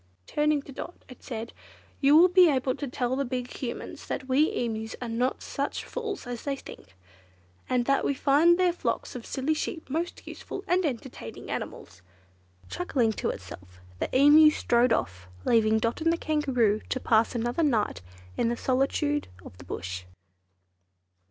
Turning to Dot it said, "You will be able to tell the big Humans that we Emus are not such fools as they think, and that we find their flocks of silly sheep most useful and entertaining animals." Chuckling to itself, the Emu strode off, leaving Dot and the Kangaroo to pass another night in the solitudes of the Bush.